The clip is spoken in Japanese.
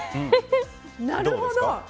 なるほど。